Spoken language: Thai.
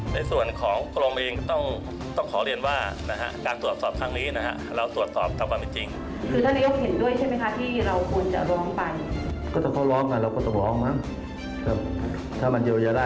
ในส่วนของกรมเองก็ต้องขอเรียนว่านะฮะงานตรวจสอบครั้งนี้นะฮะ